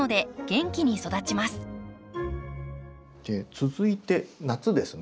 続いて夏ですね。